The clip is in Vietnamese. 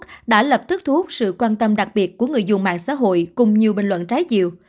facebook đã lập tức thu hút sự quan tâm đặc biệt của người dùng mạng xã hội cùng nhiều bình luận trái diệu